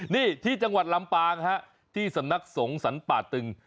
นี่ที่จังหวัดลำปางฮะที่สำนักสงสรรป่าตึง